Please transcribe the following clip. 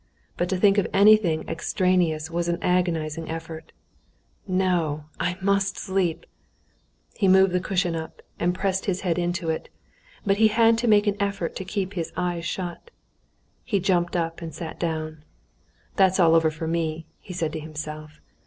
But to think of anything extraneous was an agonizing effort. "No, I must sleep!" He moved the cushion up, and pressed his head into it, but he had to make an effort to keep his eyes shut. He jumped up and sat down. "That's all over for me," he said to himself.